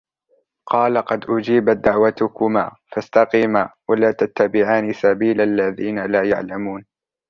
قال قد أجيبت دعوتكما فاستقيما ولا تتبعان سبيل الذين لا يعلمون